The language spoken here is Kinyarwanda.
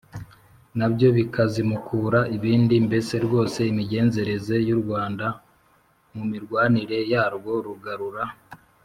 nabyo bikazimukura ibindi. mbese rwose imigenzereze y’u rwanda mu mirwanire yarwo rugarura